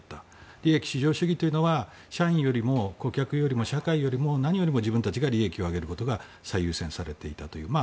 利益至上主義というのは社員、顧客、社会よりも何よりも自分たちが利益を上げることが最優先されていたと。